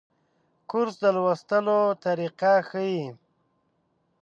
کورس د لوستلو طریقه ښيي.